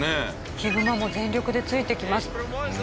ヒグマも全力でついてきます。